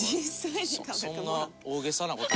そんな大げさな事。